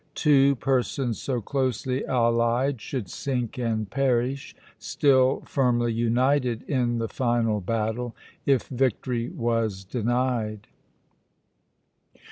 Two persons so closely allied should sink and perish, still firmly united, in the final battle, if victory was denied.